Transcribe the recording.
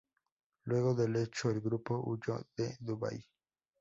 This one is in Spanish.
Luego del hecho, el grupo huyó de Dubái.